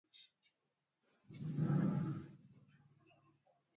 ebruari mwaka elfu mbili na kumi na moja